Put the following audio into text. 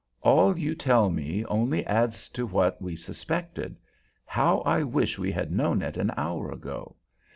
All you tell me only adds to what we suspected. How I wish we had known it an hour ago!